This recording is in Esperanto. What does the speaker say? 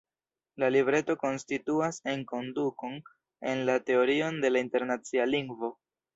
La libreto konstituas enkondukon en la teorion de la Internacia Lingvo.